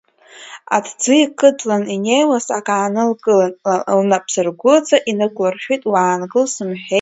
Аҭӡы икыдлан инеиуаз ак аанылкылан, лнапсыргәыҵа инықәлыршәит, уаангыл, сымҳәеи!